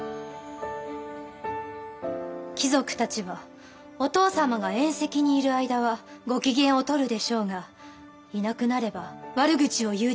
貴族たちはお父様が宴席にいる間はご機嫌を取るでしょうがいなくなれば悪口を言うでしょう。